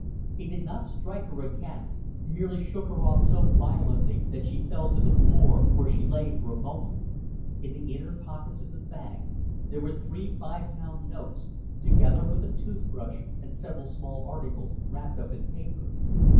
He did not strike her again merely shook her off so violently that she fell to the floor, where she lay for a moment. In the inner pockets of the bag there were three five pound notes, together with a tooth brush and several small articles wrapped up in paper.